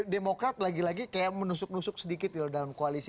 demokrat lagi lagi kayak menusuk nusuk sedikit dalam koalisi